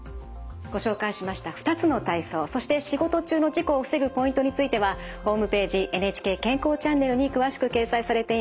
ご紹介しました２つの体操そして仕事中の事故を防ぐポイントについてはホームページ「ＮＨＫ健康チャンネル」に詳しく掲載されています。